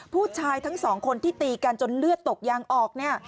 ผู้ชายทั้งสองคนที่ตีกันจนเลือดตกยางออกเนี่ย